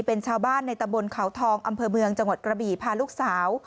เป็นชาวบ้านในตะบนเขาทองอำเภอเมืองจังหวัดกระบี่พาลูกสาว